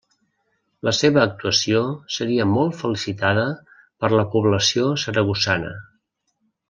La seva actuació seria molt felicitada per la població saragossana.